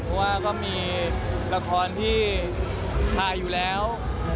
เพราะว่าก็มีละครที่ถ่ายอยู่แล้ว